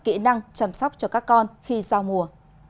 kỹ năng chăm sóc cho các con khi giao mùa